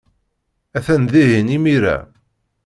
Atan dihin imir-a.